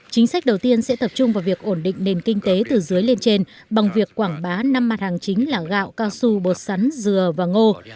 chính sách đầu tiên sẽ tập trung vào việc ổn định nền kinh tế từ dưới lên trên bằng việc quảng bá năm mặt hàng chính là gạo cao su bột sắn dừa và ngô